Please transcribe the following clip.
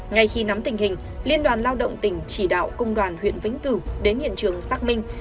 ngay khi nắm tình hình liên đoàn lao động tỉnh chỉ đạo công đoàn huyện vĩnh cửu đến hiện trường xác minh